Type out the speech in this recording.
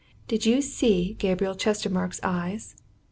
"Did you see Gabriel Chestermarke's eyes?